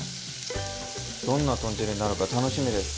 どんな豚汁になるか楽しみです。